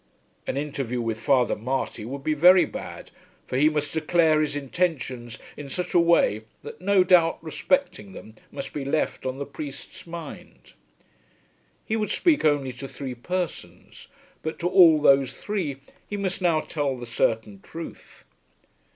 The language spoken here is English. An interview with Father Marty would be very bad, for he must declare his intentions in such a way that no doubt respecting them must be left on the priest's mind. He would speak only to three persons; but to all those three he must now tell the certain truth.